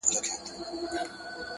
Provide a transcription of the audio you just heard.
هغه ورځ په واک کي زما زړه نه وي ـ